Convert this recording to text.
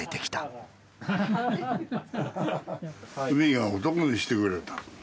「海が男にしてくれた」